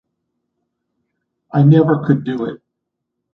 I never could do it.